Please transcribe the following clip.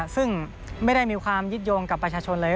ซึ่งไม่ได้มีความยึดโยงกับประชาชนเลย